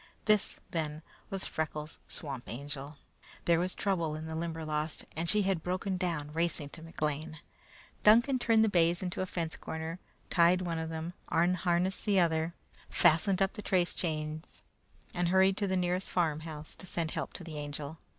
This, then, was Freckles' Swamp Angel. There was trouble in the Limberlost, and she had broken down racing to McLean. Duncan turned the bays into a fence corner, tied one of them, unharnessed the other, fastened up the trace chains, and hurried to the nearest farmhouse to send help to the Angel.